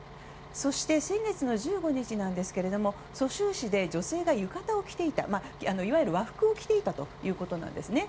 そして、先月の１５日ですが蘇州市で女性が浴衣を着ていたいわゆる和服を着ていたということなんですね。